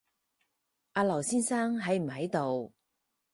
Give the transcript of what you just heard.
阿劉先生喺唔喺度